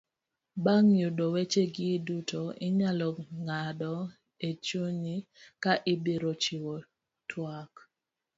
Bang' yudo weche gi duto, inyalo ng'ado e chunyi ka ibiro chiwo tuak.